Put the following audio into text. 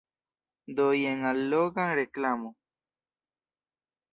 Do jen alloga reklamo.